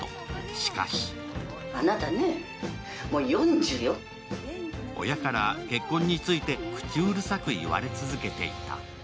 しかし親から結婚について口うるさく言われ続けていた。